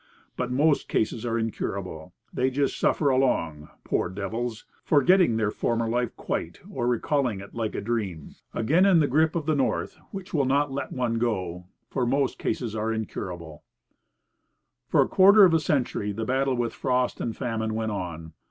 But most cases are incurable. They just suffer along, poor devils, forgetting their former life quite, or recalling it like a dream." Again the grip of the North, which will not let one go for "most cases are incurable." For a quarter of a century the battle with frost and famine went on.